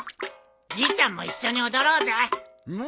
じいちゃんも一緒に踊ろうぜ！